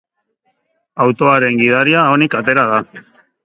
Autoaren gidaria onik atera da.